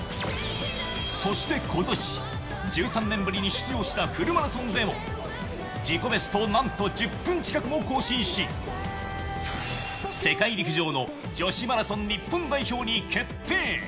そして今年、１３年ぶりに出場したフルマラソンで、自己ベストなんと１０分近く更新し世界陸上の女子マラソン日本代表に決定。